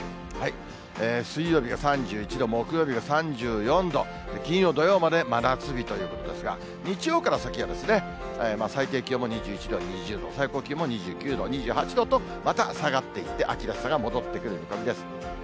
水曜日が３１度、木曜日が３４度、金曜、土曜まで真夏日ということですが、日曜から先がですね、最低気温も２１度、２０度、最高気温も２９度、２８度と、また下がっていって、秋らしさが戻ってくる見込みです。